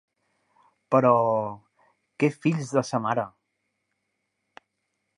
Però… que fills de sa mare!